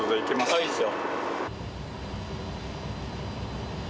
いいですよ。